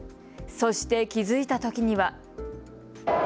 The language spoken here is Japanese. そして、気付いたときには。